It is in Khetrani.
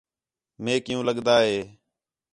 میک عِیُّوں لڳدا ہِے